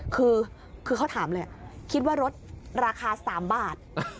คือเขาถามเลยคิดว่ารถราคา๓บาท